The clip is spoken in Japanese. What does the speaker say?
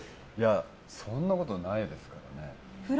そんなことないですからね。